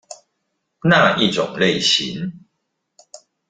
那一種類型